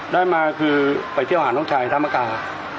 ได้มาคือไปเตรียมหาน้องชายท่านมักก่าน